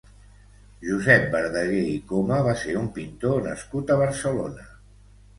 Josep Verdaguer i Coma va ser un pintor nascut a Barcelona.